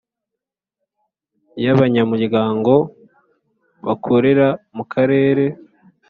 Y abanyamuryango bakorera mu karere